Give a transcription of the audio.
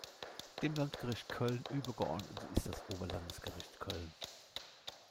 Dem Landgericht Köln übergeordnet ist das Oberlandesgericht Köln.